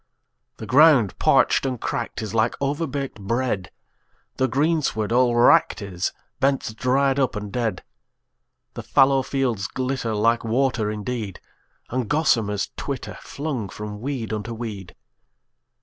The ground parched and cracked is like overbaked bread, The greensward all wracked is, bents dried up and dead. The fallow fields glitter like water indeed, And gossamers twitter, flung from weed unto weed.